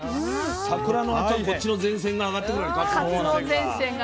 桜のあとはこっちの前線が上がってくるわけかつお前線が。